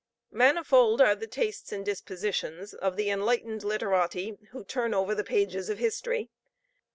Manifold are the tastes and dispositions of the enlightened literati who turn over the pages of history.